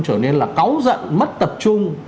trở nên là cáu giận mất tập trung